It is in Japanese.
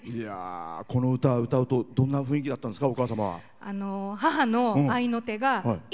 この歌を歌うとどんな雰囲気だったんですか？